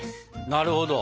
なるほど。